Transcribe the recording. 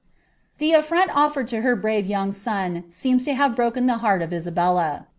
The affront otfitred lo her brave young son seems to hare heart of Isabella.